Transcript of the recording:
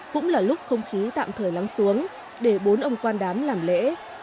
cũng là lúc không khí tạm thời lắng xuống để bốn ông quan đám làm lễ